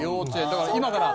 だから今から。